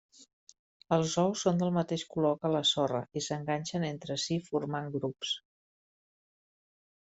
Els ous són del mateix color que la sorra i s'enganxen entre si formant grups.